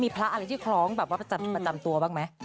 ปริศสิทธิ์บ้างมั้ย